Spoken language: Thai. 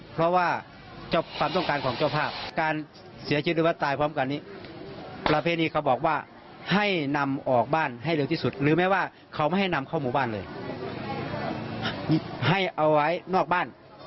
เพราะว่าเขาไม่ให้นำเข้าหมู่บ้านเลยให้เอาไว้นอกบ้าน